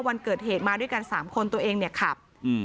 วันเกิดเหตุมาด้วยกัน๓คนตัวเองเนี่ยขับ